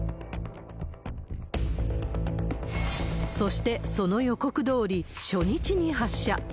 そして、その予告どおり、初日に発射。